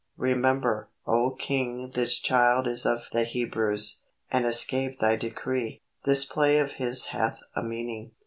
Remember, O King, this child is of the Hebrews, and escaped thy decree. This play of his hath a meaning.